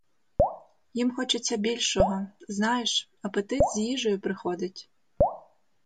Їм хочеться більшого — знаєш, апетит з їжею приходить.